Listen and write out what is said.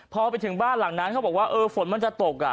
พอไปถึงบ้านหลังนั้นเขาบอกว่าเออฝนมันจะตกอ่ะ